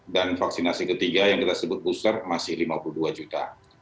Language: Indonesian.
dan vaksinasi ketiga yang kita sebut booster masih lima puluh dua juta